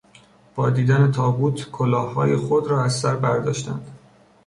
با دیدن تابوت کلاههای خود را از سر برداشتند.